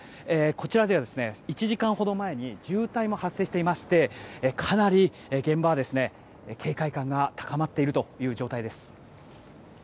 こちらでは１時間ほど前に渋滞も発生していましてかなり現場は警戒感が高まっているという状態です。